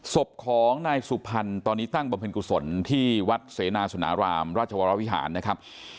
ศพของนายสุพรรณตอนนี้ตั้งบำเพ็ญกุศลที่วัดเสนาสนารามราชวรวิหารนะครับ